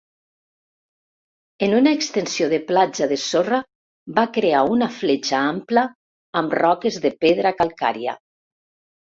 En una extensió de platja de sorra va crear una fletxa ampla amb roques de pedra calcària.